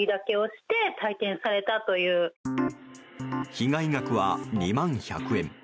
被害額は２万１００円。